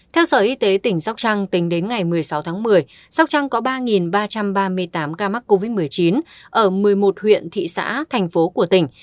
theo sở y tế tỉnh sóc trăng tính đến ngày một mươi sáu tháng một mươi sóc trăng có ba ba trăm ba mươi tám ca mắc covid một mươi chín ở một mươi một huyện thị xã thành phố của tỉnh